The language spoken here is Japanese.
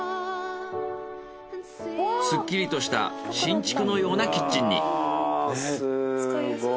スッキリとした新築のようなキッチンに。